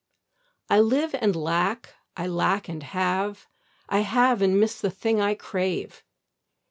I live and lack, I lack and have; I have and miss the thing I crave.